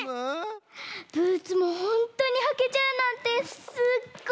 ブーツもほんとにはけちゃうなんてすっごい！